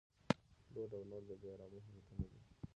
لوډ او نور د بې ارامۍ حالتونه